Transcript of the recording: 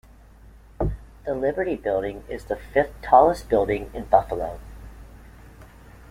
The Liberty Building is the fifth tallest building in Buffalo.